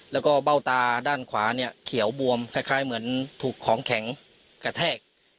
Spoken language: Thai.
แล้วก็เบ้าตาด้านขวาเนี่ยเขียวบวมคล้ายเหมือนถูกของแข็งกระแทก